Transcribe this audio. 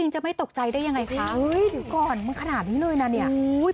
จะไม่ตกใจได้ยังไงคะเฮ้ยเดี๋ยวก่อนมึงขนาดนี้เลยนะเนี่ย